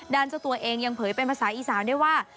เจ้าตัวเองยังเผยเป็นภาษาอีสานได้ว่า